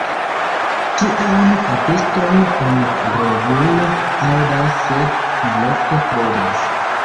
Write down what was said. Tiajn atestojn oni regule aŭdas sed malofte kredas.